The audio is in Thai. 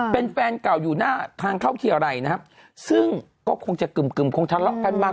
เป็นแฟนเก่าอยู่หน้าทางเข้าเกียร์ไรนะครับซึ่งก็คงจะกึ่มคงทะเลาะกันบ้าง